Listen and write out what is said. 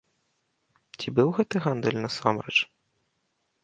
Ці быў гэты гандаль насамрэч?